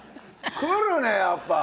くるね、やっぱ。